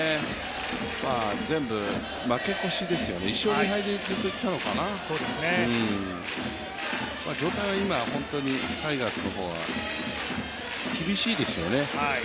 全部、負け越しですよね、１勝２敗でずっといったのかな、状態は今、タイガースの方は厳しいですよね。